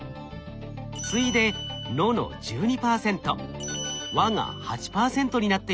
次いで「の」の１２％「は」が８％になっています。